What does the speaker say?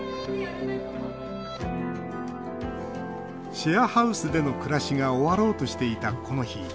シェアハウスでの暮らしが終わろうとしていた、この日。